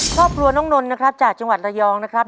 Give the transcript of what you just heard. ฆ่าพลัวน้องน้นนะครับจากจังหวัดตะยองนะครับ